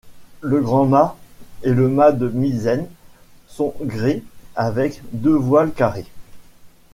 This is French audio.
Le grand mât et le mât de misaine sont gréés avec deux voiles carrées.